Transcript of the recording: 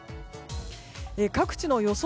各地の予想